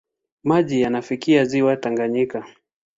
Maji yanafikia ziwa Tanganyika.